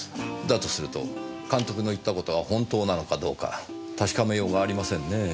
だとすると監督の言ったことは本当なのかどうか確かめようがありませんねぇ。